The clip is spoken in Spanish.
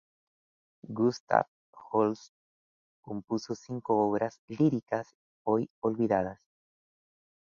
Gustav Holst compuso cinco obras líricas hoy olvidadas.